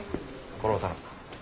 これを頼む。